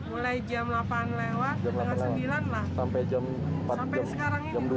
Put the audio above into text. mulai jam delapan lewat sampai jam dua ini